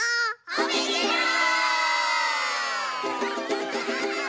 「おめでとう！」